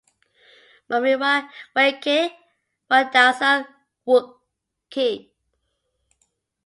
Mumiwa wake wadauza w'uki.